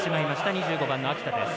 ２５番の秋田です。